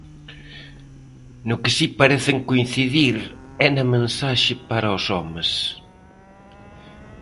No que si parecen coincidir é na mensaxe para os homes.